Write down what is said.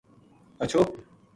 ہچھو